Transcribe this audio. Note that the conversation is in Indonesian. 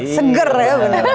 seger ya bener